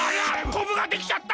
コブができちゃった！